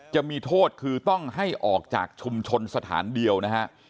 จะมีโทษคือต้องให้ออกจากชุมชนสถานเดียวนะฮะ